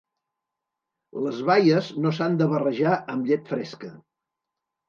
Les baies no s'han de barrejar amb llet fresca.